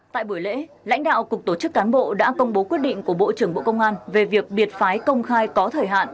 tại buổi lễ lãnh đạo cục tổ chức cán bộ đã công bố quyết định của bộ trưởng bộ công an về việc biệt phái công khai có thời hạn